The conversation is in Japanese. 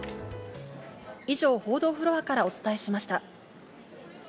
以上、報道フロアからお伝えしました。